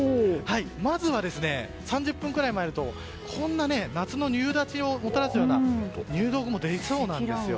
まずは３０分くらい前だとこんな夏の夕立をもたらすような入道雲が出そうなんです。